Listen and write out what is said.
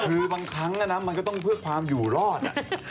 คือบางครั้งมันก็ต้องเพื่อความอยู่รอด